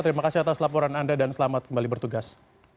terima kasih atas laporan anda dan selamat kembali bertugas